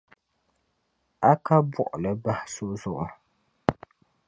A ka buɣuli bahi so zuɣu.